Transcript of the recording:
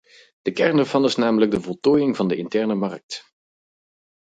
De kern ervan is namelijk de voltooiing van de interne markt.